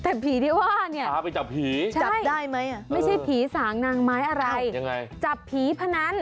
แต่ผีที่ว่าเนี่ยจับได้ไหมอ่ะใช่ไม่ใช่ผีสางนางไม้อะไรจับผีพนัน